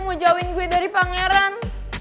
mau jauhin duit dari pangeran